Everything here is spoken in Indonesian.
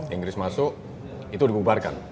inggris masuk itu dibubarkan